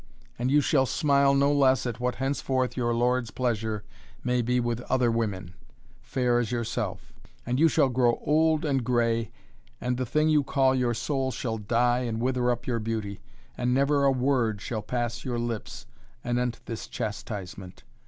And you shall smile no less at what henceforth your lord's pleasure may be with other women fair as yourself and you shall grow old and grey, and the thing you call your soul shall die and wither up your beauty and never a word shall pass your lips anent this chastisement.